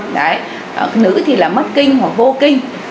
đấy nữ thì là mất kinh hoặc vô kinh